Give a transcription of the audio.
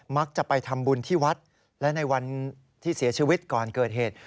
จะไปทำบุญที่วัดและในวันที่เสียชีวิตก่อนเกิดเหตุ